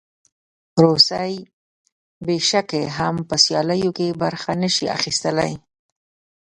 روسۍ پیشکې هم په سیالیو کې برخه نه شي اخیستلی.